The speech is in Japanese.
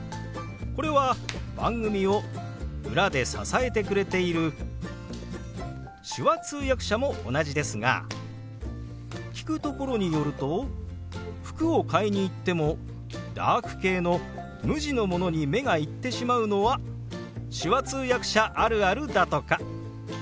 これは番組を裏で支えてくれている手話通訳者も同じですが聞くところによると服を買いに行ってもダーク系の無地のものに目が行ってしまうのは手話通訳者あるあるだとか。